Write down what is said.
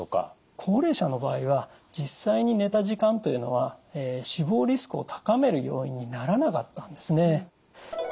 高齢者の場合は実際に寝た時間というのは死亡リスクを高める要因にならなかったんですね。